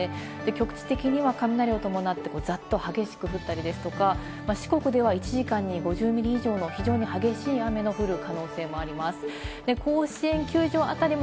局地的には雷を伴って、こうザッと激しく降ったりですとか、四国では１時間に５０ミリ以上の非常に激しい雨の降る可能性もあります。